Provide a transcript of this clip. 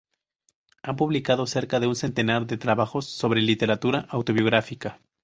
Ha publicado cerca de un centenar de trabajos sobre la literatura autobiográfica.